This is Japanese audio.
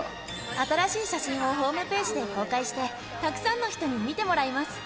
新しい写真をホームページで公開して、たくさんの人に見てもらいます。